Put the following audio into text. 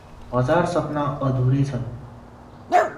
हजार सपना अधुरै छन ।